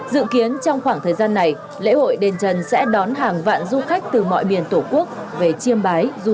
dự kiến trong khoảng thời gian này lễ hội đền trần sẽ đón hàng vạn du khách từ mọi miền tổ quốc về chiêm bái du lịch